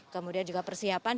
kemudian juga persiapan